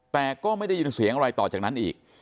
แต่ก็ไม่ได้ยินเสียงอะไรต่อจากนั้นอีก